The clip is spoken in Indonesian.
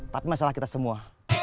tapi masalah kita semua